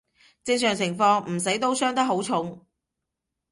正常情況唔死都傷得好重